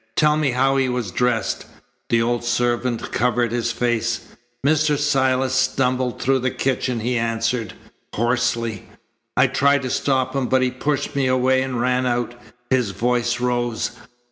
"Tell me how he was dressed." The old servant covered his face. "Mr. Silas stumbled through the kitchen," he answered hoarsely. "I tried to stop him, but he pushed me away and ran out." His voice rose.